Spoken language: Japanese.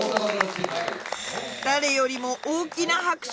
誰よりも大きな拍手